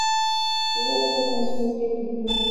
图的覆盖是一些顶点。